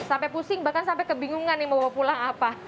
sampai pusing bahkan sampai kebingungan nih mau bawa pulang apa